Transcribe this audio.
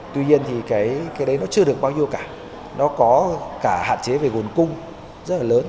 tuy nhiên thì cái đấy nó chưa được bao nhiêu cả nó có cả hạn chế về nguồn cung rất là lớn